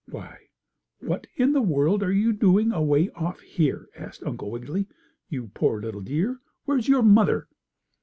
"Why, what in the world are you doing away off here?" asked Uncle Wiggily. "You poor little dear! Where is your mother?"